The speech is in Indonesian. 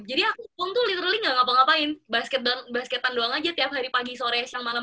jadi aku pon tuh literally gak ngapa ngapain basketan doang aja tiap hari pagi sore siang malam